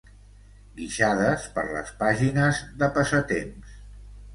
Guixades per les pàgines de passatemps.